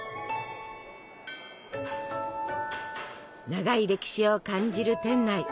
長い歴史を感じる店内。